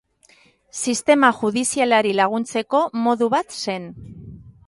Sistema judizialari laguntzeko modu bat zen.